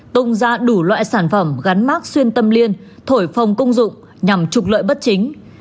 tung ra đủ loại sản phẩm gắn mát xuyên tâm liên thổi phòng công dụng nhằm trục lợi bất chính